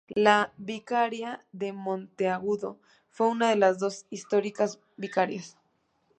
La Vicaría de Monteagudo fue una de las dos históricas Vicarías.